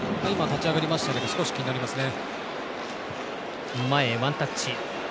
立ち上がりましたけど少し気になりますね。